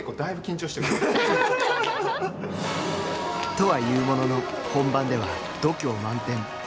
とは言うものの本番では度胸満点。